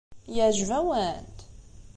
Yeɛjeb-awent?